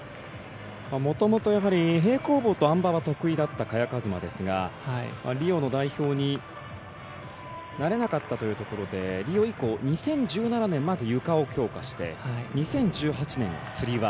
もともと平行棒とあん馬は得意だった、萱和磨ですがリオの代表になれなかったというところでリオ以降２０１７年、まず床を強化して２０１８年は、つり輪。